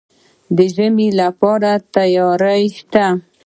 د ژمي لپاره تیاری شته؟